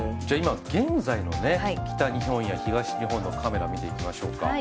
今現在の北日本や東日本のカメラを見ていきましょうか。